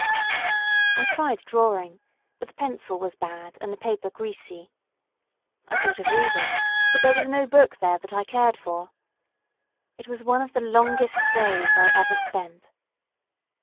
I tried drawing, but the pencil was bad and the paper greasy. I thought of reading, but there was no book there I cared for. It was one of the longest days I ever spent.